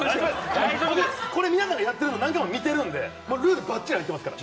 これ、皆さんがやってるの見てたんで、ルールバッチリ入ってますから。